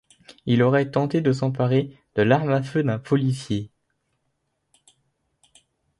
Il aurait tenté de s'emparer de l'arme à feu d'un policier.